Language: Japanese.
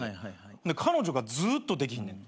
彼女がずっとできひんねん。